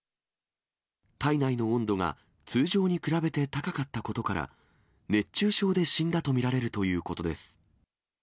体内の温度が通常に比べて高かったことから、熱中症で死んだと見られるということです。